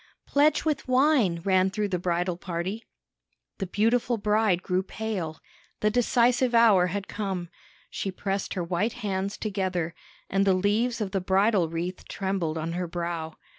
"Pledge with wine!" ran through the bridal party. The beautiful bride grew pale; the decisive hour had come. She pressed her white hands together, and the leaves of the bridal wreath trembled on her brow.